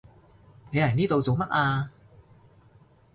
你嚟呢度做乜啊？